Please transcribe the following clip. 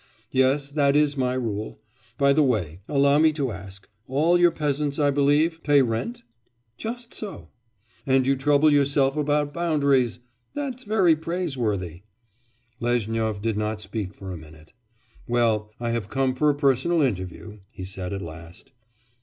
'Yes; that is my rule. By the way, allow me to ask: all your peasants, I believe, pay rent?' 'Just so.' 'And you trouble yourself about boundaries! That's very praiseworthy.' Lezhnyov did not speak for a minute. 'Well, I have come for a personal interview,' he said at last.